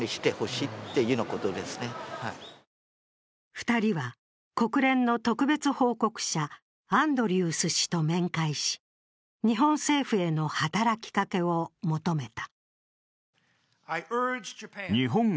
２人は国連の特別報告者、アンドリュース氏と面会し、日本政府への働きかけを求めた。